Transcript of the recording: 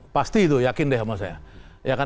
pasti itu yakin deh sama saya